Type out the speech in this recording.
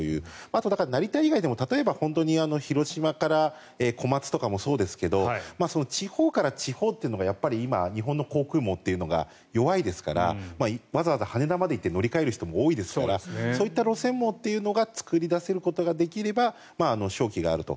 あとは成田以外でも広島から小松とかもそうですけどその地方から地方というのが今、日本の航空網というのが弱いですからわざわざ羽田まで行って乗り換える人も多いですからそういった路線網が作り出せることができれば勝機であると。